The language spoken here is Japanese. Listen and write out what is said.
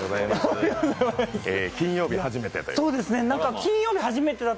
金曜日、初めてと。